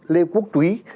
lê quốc túy